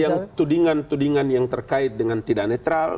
yang tudingan tudingan yang terkait dengan tidak netral